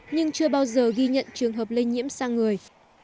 nhưng chưa bao giờ ghi nhận trường hợp lây nhiễm sang người